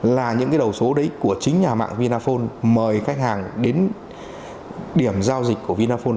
là những cái đầu số đấy của chính nhà mạng vinaphone mời khách hàng đến điểm giao dịch của vinaphone